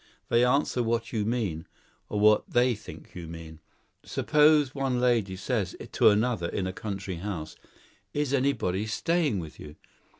They answer what you mean or what they think you mean. Suppose one lady says to another in a country house, 'Is anybody staying with you?